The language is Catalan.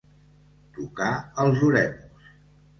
Tocar els oremus.